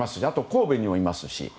神戸にもいますし。